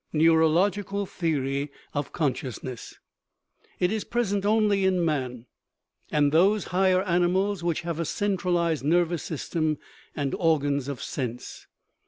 Neurological theory of consciousness. It is pres ent only in man and those higher animals which have a centralized nervous system and organs of sense.